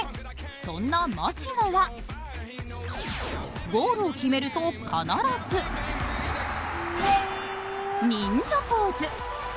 そんな町野は、ゴールを決めると必ず忍者ポーズ。